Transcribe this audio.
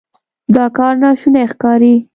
دا کار ناشونی ښکاري.